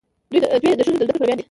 دوی د ښځو د زده کړې پلویان دي.